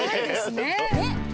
ねっ。